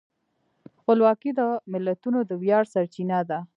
خپلواکي د ملتونو د ویاړ سرچینه ده.